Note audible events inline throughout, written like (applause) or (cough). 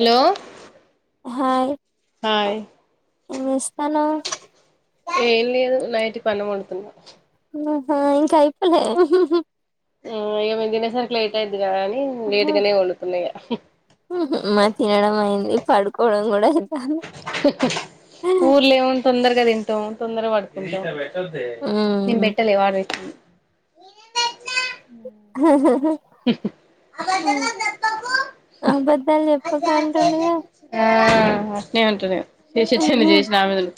Hello hi hi ఏం చేస్తాన్నావ్ ఏం లేదు నైట్ కి అన్నమొండుతన్న ఆహా ఇంకా అయిపోలే హు హ్మ్హు ఆ ఇగ తినే సరికి లేట్ అయిద్ది అందుకని లేటుగానే వండుతున్నాయిగా (inaudible) మాది తినడమైంది పడుకోవడం కూడా ఐతాంది. ఊర్లో ఏమో తొందరగా తింటాం తొందరగా పడుం (inaudible) పెట్టద్దె నేన్ ఉమ్ బెట్టలే వాడు. (inaudible) హమ్ అబద్ధాలు చెప్పకు అంటుండుగా ఆ అట్నే ఉంటుంది. చేస (unintelligible) చిన్న (unintelligible) చేసిన ఆ (unintelligible) మీదలు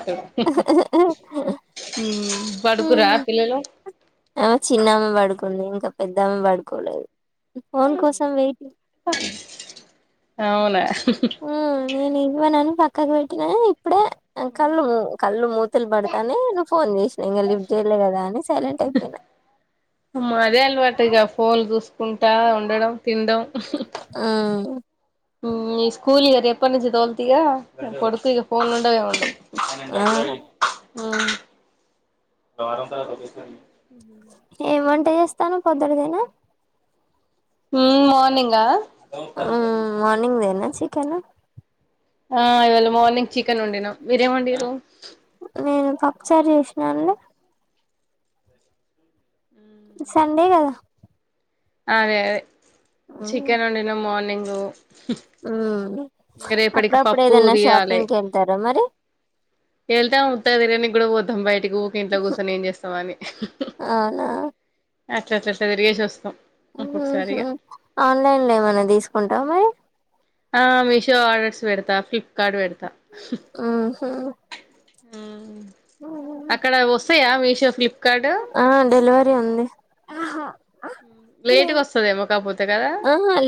(unintelligible) పడుకురా పిల్లలు. ఆమె చిన్నామె ఇంకా పెద్దమ్మ పడుకోలేదు. ఫోన్ కోసం వెయిట్. అవునా. ఉ నేను ఇవ్వనని పక్క. కనిపెట్టిననే (inaudible) ఇప్పుడే కళ్ళు మూ కళ్ళు మూతలు పడుతున్నాయ్ నువ్ ఫోన్ చేసినా ఇంక లిఫ్ట్ చేయలే కదా అని సైలెంట్ అయిపోయినా. అదే అలవాటు ఇక ఫోన్ చూసుకుంటా ఉండడం. తిండం. ఉమ్ ఈ స్కూల్ ఇక రేపటి నుంచి తోల్తగా కొడుకిగా ఫోన్ ఉండవు అనంట ఆ (unintelligible) హమ్ (unintelligible) ఏమంట. ట్ట చేస్తాను పొద్దురిదేనా. హమ్ మార్నింగా. హమ్ మార్నింగ్ దేనే. చికెనా ఆ ఇవాళ మార్నింగ్ చికెన్ వండినా మీరేం వండిరు. నేను పప్పుచారు చేసినానలే. సండే కదా. అదే అదే. చికెన్ వండిన మార్నింగ్. గు హమ్. ఇగా రేపటికి పప్పు దియాలీ కి వెళ్తారా మరి ఎళ్తా ముతాది రేప్. తిన్నికి కూడా పోతాం బయట. ఇగ ఊకే ఇంట్లో కూర్చొని ఏం చేస్తామని. అవునా అచ్చ అచ్చచ్చా తిరగేసి వస్తాం ఒక్కొక్కసారి ఇగ ఆన్లైన్ లో ఏమైన్నా తీసుకుంటారా మరి ఆ మీషో ఆర్డర్స్ పెడతా ఫ్లిప్ కార్డ్ పెడతా మ్మ్ హ్మ్ ఆ అక్కడ వస్తాయా మీ ఫ్లిప్ ఆ డెలివరీ ఉంది ఆహా లేటుగా వస్తదేమో కాకపోతే కదా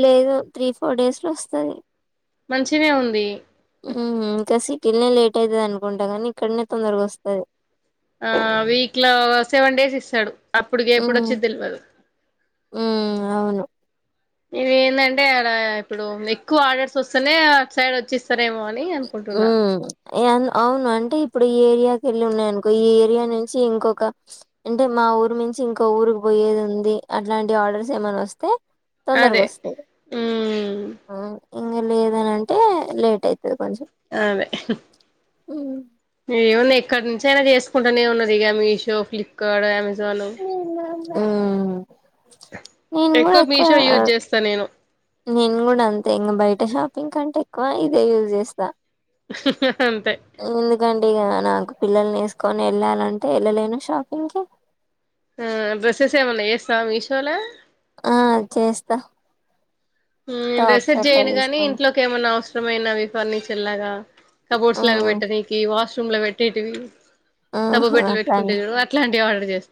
లేదు త్రీ ఫోర్ డేస్ లో వస్తంది మంచినే ఉంది ఉ కసి స్కి వెళ్నే లేట్ అవుతుంది అనుకుంటా కానీ ఇక్కడనే తొందరగా వస్తుంది ఆ వీక్ లో సెవెన్ డేస్ ఇస్తాడు అప్పుటికి మ్మ్ ఎప్పుడొచ్చి తెలియదు మ్మ్ అవును ఇది ఏంటంటే అడ ఇప్పుడు ఎక్కువ ఆర్డర్స్ వస్తేనే సైడ్ వచ్చిస్తారు సరేమో అని అనుకుంటున్నా హ్మ్. అవును అంటే ఇప్పుడు ఈ ఏరియాకి వెళ్ళి ఉన్నాయి అనుకో ఈ ఏరియా నుంచి ఇంకొక అంటే మా ఊరు నుంచి ఇంకో ఊరుకి పోయేది ఉంది అట్లాంటి ఆర్డర్స్ ఏమైన్నా వస్తే అదే తొందరగొస్తాయి. ఉ హ్మ్. ఇంగ లేదనింటే లేట్ అయితు కొంచ అదే ఉ ఏమన్నా ఎక్కడి నుంచి అయినా చేసుకుంటానే ఉన్నారు ఇక మీషో ఫ్లిప్కార్ట్ అమెాజా జాలో ఊ నేను గూడా ఎక్కువ మీషో యూజ్ చేస్తా నేను నేను కూడా అంతే ఇంకా బయట షాపింగ్ కంటే క్కువ ఇదే యూజ్ చేస్తా అంతే ఇగ నాకు పిల్లల్ని వేసుకొని వెళ్ళాలంటే వెళ్ళలేను షాపింగ్ కి డ్రెస్సెస్ ఏమన్నా ఏస్తా మీషోల ఆ చేస్తా ఊ నేను టాప్స్ రీసెర్చ్ అట్లా చేయను గాని తీసుకొని. ఇంట్లోకి ఏమన్నా అవసరమైనవి ఫర్నిచర్ తెల్లాగా కప్బోర్డ్ లగా హ్మ్. పెట్టనీకి వాష్ రూమ్ లో పెట్టేటివి సబ్బుబిట్టలు పెట్టుకుంటే చూడు అట్లాంటివి ఆర్డర్ చేస్తా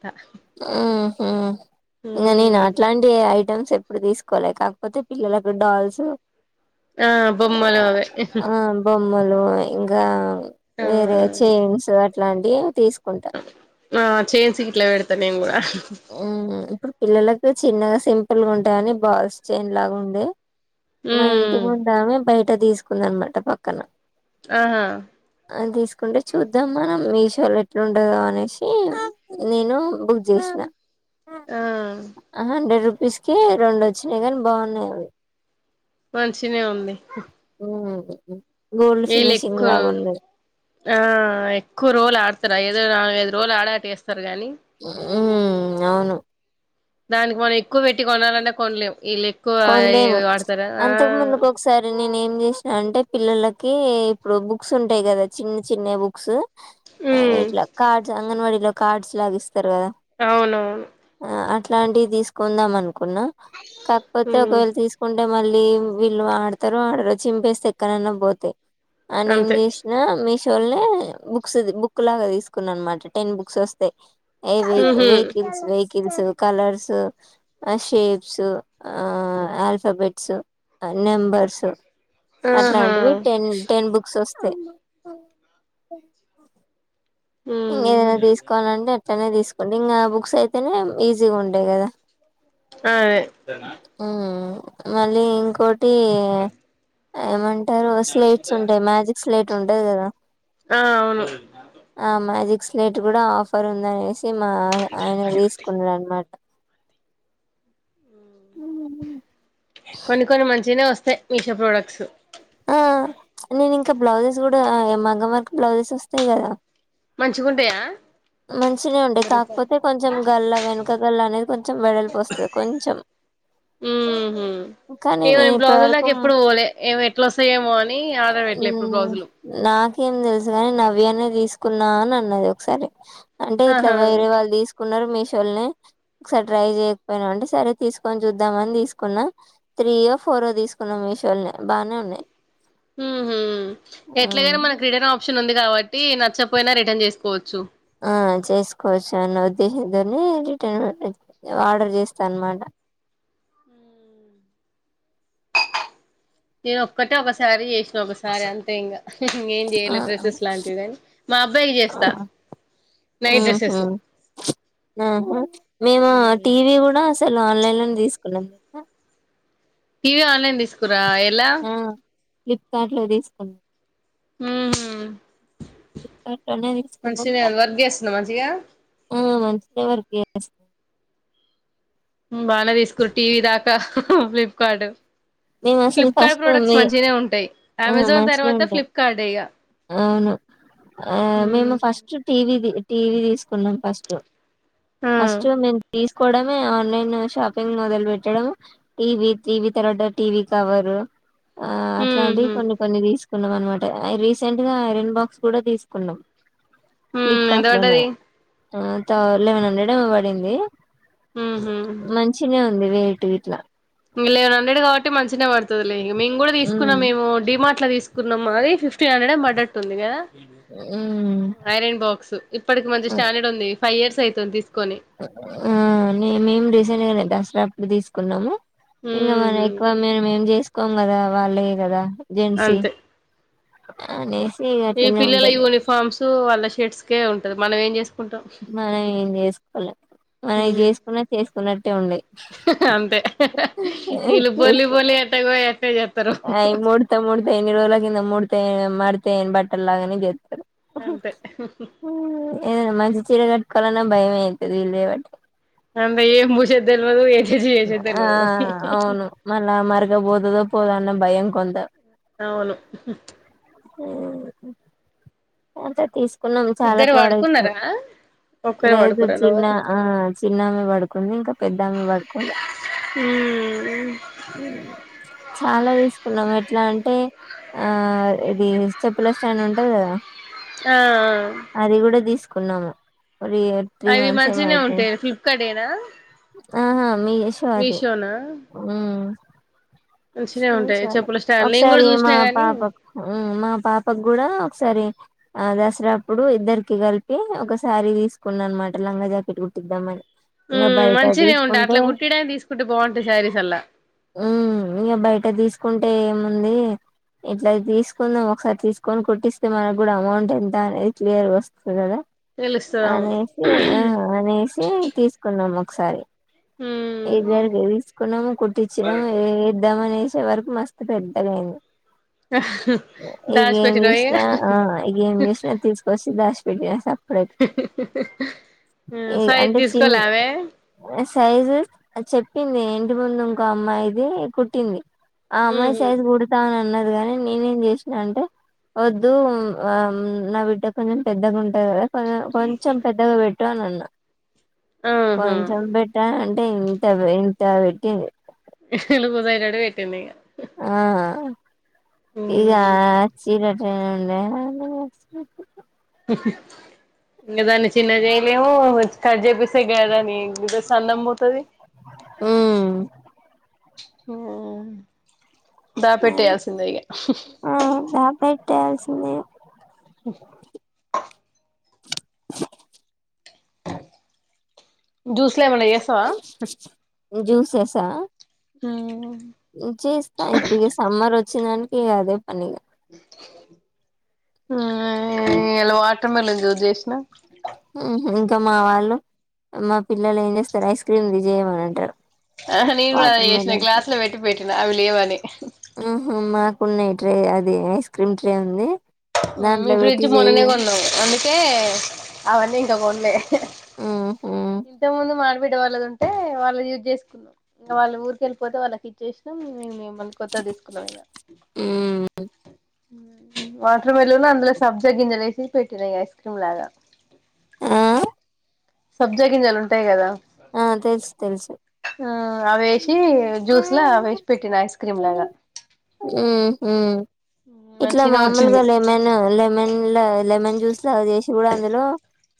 ఉ ఇంగా నేను అట్లాంటి ఏ ఐ మ్స్ ఎప్పుడు తీసుకోవాలి కాకపోతే పిల్లలకు డాల్స్ ఆ బొమ్మలో అవి మ్మలు ఇంగా అవి వేరే చైన్స్ ఏట్లాంటి తీసుకు ఆ చేన్స్ గిట్లా పెడుతే త నీ గుడ ఇప్పుడు పిల్లలకు చిన్నగా సిం పుల్ ఉంటాయి అని బాల్స్ చైన్ లాగా ఉండే మా ఇంటి ఉమ్ ముందామే బయట దీసుక్ ందనమాట పక్కన ఆహా అని తీసుకుంటే చూద్దాం మనం మీషోలో ఎట్లా ఉంటదో అనేసి నేను బుక్ చేసినా ఆ ఆహ్ హండ్రెడ్ తీసుక రెండు వచ్చినాయి కాని బాన్నాయి అవి మనిషినే ఉంది హుమ్ ఏల్ ఎక్కు ఆ ఎక్కువ రోజులు ఆ ఐదు నాలుగైదు రోజులు ఆడ తిస్ తిస్తారు గాని హుమ్ అవును దానికి మనం ఎక్కువ పెట్టి కొనాలన్న కొనలేము కొనలేము అంతకు ముందుకు ఒకసారి నేనేం ఏం చేసిన అంటే పిల్లలకి ఇప్పుడు బుక్స్ ఉంటాయి కదా చిన్న చిన్న బుక్స్ ఉమ్ ఇట్లా కార్డ్స్ ఆంగన్వాడి కార్డ్ లాగిస్త రు గదా అవునవును ఇట్లాంటివి తీసుకుందాం అనుకున్నా పోతే ఉమ్ ఒకవేళ తీసుకుంటే అంటే మళ్ళీ వీళ్ళు ఆడతారు ఆడరో చింపేస్తే ఎక్కడన్నా పోతే అని ఏం అంతే జేసినా మి బుక్స్ది బుక్ లాగా తీసుకున్నా అనమాట టెన్ బుక్స్ వస్తాయి ఏ వెకి ఉహు వేకిల్స్ వేకిల్స్ కలర్స్ ఆ షేప్స్ ఆ ఆల్ఫాబెట్సు నెంబర్స్ ఆహా అట్లాంటివి టెన్ టెన్ బుక్స్ ఒస్ అయి ఇంకేదైనా తీసుకోవాలంటే ఇట్లనే తీసుకోండి ఇంగా ఆ బుక్స్ అయితేనే ఈజీగా ఉంటయి గద ఆ మళ్ళీ ఇంకో టీ ఏమం టరు స్లేట్స్ ఉంటాయి మ్యాజిక్ స్లేట్ ఉంటది గదా ఆ అవును ఆ మ్యాజిక్స్ స్లేట్ గూడ ఆఫర్ ఉందనేశి మా అ ఆయన తీసుకున్నడనమాట కొన్ని కొన్ని మంచినే వస్తాయ్ మీషో ప్రొడక్ట్స్ ఆ నేను ఇంక బ్లౌజెస్ గుడా ఆ మగ్గం వర్క్ బ్లౌజెస్ వస్తయి గదా మంచిగుంటయా మంచినె ఉంటయి కాకపోతే కొంచెం గల్ల వెనక గల్ల అనేది కొంచెం వెడల్పుపోస్తుంది కొంచెం ఉహు కనీ ఏమో నేను ఇప్పటి బ్లౌజుల వరకు దాకా ఎప్పుడు పోలే ఏమో ఎట్లా వస్తాయేమో అని ఆర్డర్ ఊ పెట్టలే ఎప్పుడు బ్లౌజులు నా నాకేం తెలుసుగని నవ్యనే తీసుకున్నా అని అన్నది ఒకసారి అంటే ఇట్ల ఆహా వేరే వాళ్ళు తీసుకున్నరు మీ మీ షోల్నే ఒకసారి ట్రై చేయకపోయిన అంటే సరే తీసుకొని చూద్దామని తీసుకున్నా త్రీయో ఫోర్ తీసుకున్నా మీషోల్నే బాగానే ఉన్నాయి ఉహు ఎట్లగైనా మన ఉ రిటర్న్ ఆప్షన్ ఉంది కావట్టి నచ్చపోయిన రిటర్న్ చేసుకోవచ్చు ఆ చేసుకోవచ్చు అన్న ఉద్దేశంతోనీ రిటర్న్ పెట్టాచ్చు ఆర్డర్ చేస్తన్నమాట నేను ఒక్కటే ఒకసారి చేసిన ఒకసారి అంతే ఇంగ మా అబ్బాయికి చేస్తా నైట్ డ్రెస్సెస్ మేము ఆ ఉమ్ టీవీ గూడ అసలు ఆన్లైన్ ఫోన్ తీసుకున్నము తెలుసా టీవీ ఆన్లైన్ తీసుకు ఆ ఎలా ఫ్లిప్కర్డులో తీసుకున్న మ్మ్ వర్క్ చేస్తుందా మంచిగా ఆ మంచిది ఎవరికీ ఆస్ బానే తీసుకున్నారు టీవీ దాకా ఫ్లిప్కార్ట్ మేము అసలు ఫ్లిప్కార్ట్ ఫస్ట్ ప్రోడక్ట్స్ మీ మంచినే ఉంటాయి ఆ అమెజాన్ మంచినే తర్వాత ఉంటాం ఫ్లిప్కార్ట్ ఇక అవును ఆ మేము ఫస్ట్ టీవీది టీవీ తీసుకున్నాం ఫస్ట్ ఫస్ట్ మేము తీసుకోవడమే ఆన్లైన్ లో షాపింగ్ మొదలు పెట్టడమే టీవీ టీవీ తర్వాత టీవీ కవరు ఆ అట్లాంటివి కొన్ని కొన్ని తీసు తీసుకున్నాం అనమాట ఐరన్ బాక్స్ కూడా తీసుకున్నాం ఎంత ఫ్లిప్కార్ట్ లోనే పడ్డది లెవెన్ హండ్రెడ్ ఏమో పడింది మంచినే నువేటివి ఇట్లా లేవన్ హండ్రెడ్ కాబట్టి మంచినే పడు మేము కూడా ఉమ్ తీసుకున్నాము మేము డిమార్ట్ లో తీసు అదే ఫిఫ్టీన్ హండ్రెడ్ ఏమో పడ్డట్టు ఉంది కదా ఉమ్ ఐరన్ బాక్స్ ఇప్పటికి మంచి స్టాండర్డ్ ఉంది ఫైవ్ ఇయర్స్ తైతోన్ బిస్ (unintelligible) ఆ మేం మీము రీసెంట్ గానే దసరా కీ తీసుకున్నాము ఇంకా మనం ఎక్కువ మే ఏం చేస్ క్కం కదా వాళ్ళే కదా జెంట్స్ అంతే అనే ఈ పిల్లల యూనిఫామ్స్ వాళ్ళ షర్ట్స్కే ఉంటది మనం ఏం చేసుకుంటాం మనం ఏం చేసుకోవాలి మనం చేసుకున్న చేసుకున్నట్టే అంతే వీళ్ళు బొల్లి (unintelligible) బొల్లి ఎట్టగో ఎట్టే చేస్తారు అయి మూడతా మూడతా ఎన్ని రోజుల కింద మూడతా (unintelligible) ఏన్ బట్టలాగనే చేతారు అంతే ఏదనా మంచి చీర కట్టుకోవాల భయంమతేది (unintelligible) అందా ఏం భూష్ది తెల్వదు మ ఆ అవును మళ్ళా మరకా బోదాదో పోదన్న భయంం కొంత అవును ఆ అంత తీస్ కున్నాం చాలా ఇద్దరు ప్రోడక్ట్స్ పడుకున్నారా ఒక్కరే లేదు పడుకున్నారా చిన్న ఎవరు ఆ చిన్నమే పడుకుంది ఇంకా పెద్దమ పడుకోలా చాలా తీసుకున్నాం ఎట్లా అంటే ఆ ఇది చెప్పుల స్టైండ్ ఉంటది కదా ఆ ఆ కున్నాము అవి మంచినే ఉంటాయి ఫ్లిప్కార్ట్ ఏనా ఆహా మీ (unintelligible) మంచినే ఉంటాయి చాల చెప్పుల స్టాండ్ నేను ఒకసారి కూడా మా చూసినా గాని పాప ఉమ్ మా పాపకు కూడా సరే ఆ దసరాప్పుడు ఇద్దరికి కలిపి ఒక శారీ తీసుకున్న అనమాట లంగా జాకెట్ కుట్టిద్దాంమని ఉమ్ మంచినే ఉంటాయి అట్లా కుట్టటిడాని తీసుకుంటే బాగుంటాయి శారీస్ అల్లా ఇంకా బయట తీసుకుంటే ఏముంది ఇట్లా తీసుకుందం ఒకసారి తీసుకొని కొట్టిస్తే మనకు కూడా అమౌంట్ ఎంత అనేది క్లియర్గా వస్తది కదా తెలుస్తది అవును అనేసి ఆ అనేసి తీసుకున్నాం. ఒకసారి మ్మ్ ఏద్దరిగా తీసుకున్నాము కొట్టించినము అనేసే వరకు మస్తు పెద్దగాైంది దాచి ఇగేం పెట్టినవ యూసిన ఇగ ఆ ఇగేం యూసన తీసుకొస్తది (unintelligible) పెటెసా ఉ ఈ సైజు అంటే చిన్ తీసుకోలే ఆమె సైజు చెప్పింది ఇంటి ముందు ఇంకో అమ్మాయిది కుట్టింది ఆ అమ్మాయి మ్మ్ సైజ్ కుడతా అ ఉన్నది గాని నేనేం చేసిన అంటే వద్దు ఆ నా బిడ్డ కొంచెం పెద్దగుం టది కదా కొంచెం పెద్దగా పెట్టు అనన్న ఆహా కొంచెం పెట్టా నం అంటే ఇంత ఇంత పెట్టింది ఉహ్ లూస్ అయ్యేదట్టు పెట్టింది ఇకా ఆ ఇకా మ్మ్ చీర (unintelligible) ఇంకా దాన్ని చిన్న చేయలేము కట్ చేపిస్త గదని అందం పోతది ఉమ్ ఉమ్ దాపెట్టేయాల్సిందే ఇగ ఏం (unintelligible) (unintelligible) జ్యూసులు ఏమన్నా చేస్తావా జ్యూసెసా ఉమ్ చేస్తా ఇప్పుడు ఇక సమ్మర్ వచ్చ చిన్నోనికి ఇగ అదే పని ఇగ ఆ ఇయ్యాల వాటర్ మిలన్ జ్యూస్ చేసినా ఉహూ ఇంకా మా వాళ్ళు మా పిల్లలు ఏ చేస్తారు ఐస్క్రీమ్ చెయ్ మా అని అంటారు ఆహా నేను కూడా అది వాటర్ చేసిన మిలన్ గ్లాస్ లో పెట్టి పెట్టినా అవి లేవ్ అని పున్నై ట్రే అది ఐస్ క్రీమ్ ట్రే ఉంది ఉమ్ మేం దాంట్లో ఫ్రిడ్జ్ పెట్టి మొన్ననే చెయ్యి కొన్నాము అందు కే అవన్నీ ఇంకా కొన్లే ఉహు ఇంతకు ముందు మ బిడ్డ వాళ్ళది ఉంటే వాళ్ళది యూస్ చేసుకున్నాం ఇంగ వాళ్ళ ఊరిక వెళ్ళిపోతే వాళ్ళకి ఇచ్చేసినం మేము మళ్ళ కొత్తది తీసుకున్నాం ఇక ఉమ్ అలంవేలులి అందులో సబ్జా గింజలు వేసి చక్కెర వేసి చూడాలా ఆ సబ్జా గింజాలు ఉంటాయి కదా ఆ తెలుసు తెలుసు ఆ అవి వేసి జ్యూస్ లా వేసి పెట్టిన ఐస్ క్రీమ్ లాగా హమ్ ఇట్లా మంచిగనే మామూలుగా వచ్చింది లెమన్ లెమన్ల లెమన్ జ్యూస్ అట్లా చేసి కూడా అందులో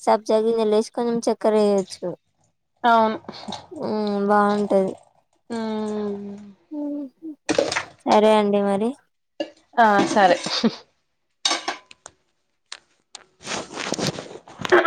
సబ్ జా గింజలు వేసి కొంచం చక్కెర వేయొచ్చు అవును ఉ బాగుంటది హమ్ సరే అండి మరి ఆ సరే